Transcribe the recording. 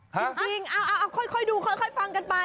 จริงเอาค่อยดูค่อยฟังกันไป